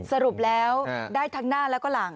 สรุปแล้วได้ทั้งหน้าแล้วก็หลัง